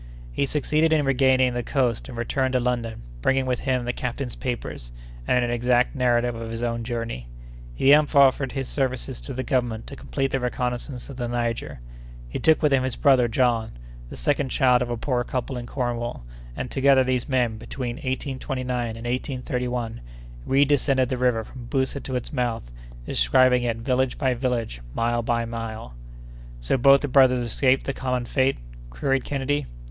"He succeeded in regaining the coast and returned to London, bringing with him the captain's papers, and an exact narrative of his own journey. He then offered his services to the government to complete the reconnoissance of the Niger. He took with him his brother John, the second child of a poor couple in Cornwall, and, together, these men, between 1829 and 1831, redescended the river from Boussa to its mouth, describing it village by village, mile by mile." "So both the brothers escaped the common fate?" queried Kennedy.